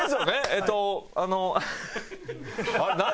えっとあのあれ？